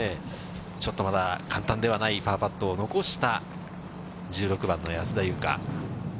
ちょっとまだ簡単ではないパーパットを残した、１６番の安田祐香。